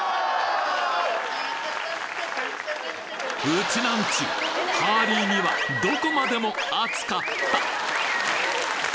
ウチナンチュハーリーにはどこまでもアツかった！